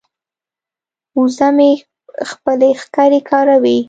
وزه مې خپلې ښکرې کاروي.